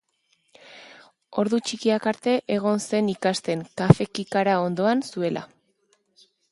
Ordu txikiak arte egon zen ikasten kafe kikara ondoan zuela.